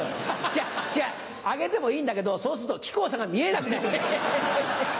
違う違うあげてもいいんだけどそうすると木久扇さんが見えなくなる。